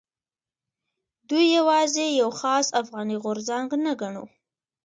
دوی یوازې یو خاص افغاني غورځنګ نه ګڼو.